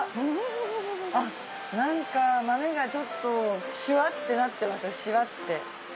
何か豆がちょっとシワってなってますよシワって。